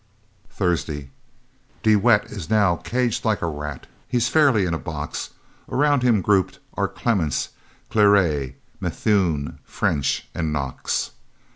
Thursday De Wet is now caged like a rat, he's fairly in a box, Around him grouped are Clements, Cléry, Methuen, French, and Knox.